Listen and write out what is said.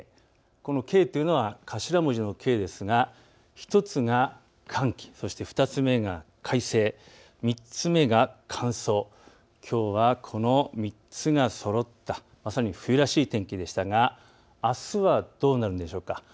このＫというのは頭文字のＫですが１つが寒気、１つが快晴、３つ目が、乾燥、きょうはこの３つがそろったまさに冬らしい天気でしたがあすはどうなるでしょうか。